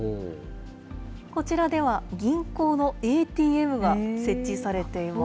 こちらでは銀行のＡＴＭが設置されています。